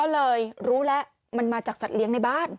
ก็เลยรู้แล้วมันมาจากสัตว์เลี้ยงในบ้าน